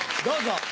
どうぞ！